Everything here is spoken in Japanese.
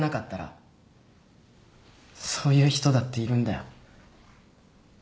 そういう人だっているんだよ。